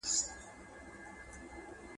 حیات الله پوه شو چې ژوند تېرېدونکی دی.